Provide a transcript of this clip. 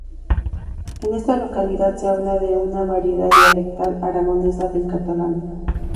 En esta localidad se habla una variedad dialectal aragonesa del catalán.